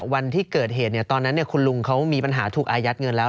วันที่เกิดเหตุตอนนั้นคุณลุงเขามีปัญหาถูกอายัดเงินแล้ว